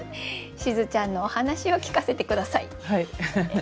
しずちゃんのお話を聞かせて下さい。